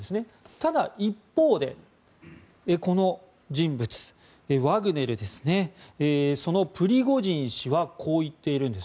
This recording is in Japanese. ただ一方でこの人物、ワグネルのプリゴジン氏はこう言っているんです。